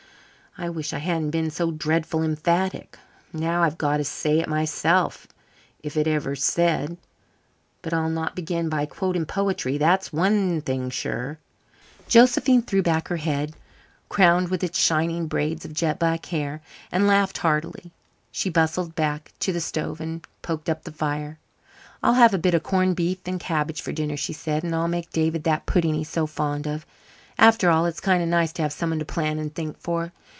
I wish I hadn't been so dreadful emphatic. Now I've got to say it myself if it is ever said. But I'll not begin by quoting poetry, that's one thing sure!" Josephine threw back her head, crowned with its shining braids of jet black hair, and laughed heartily. She bustled back to the stove and poked up the fire. "I'll have a bit of corned beef and cabbage for dinner," she said, "and I'll make David that pudding he's so fond of. After all, it's kind of nice to have someone to plan and think for.